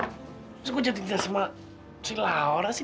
maksud gue jatuh cinta sama si laura sih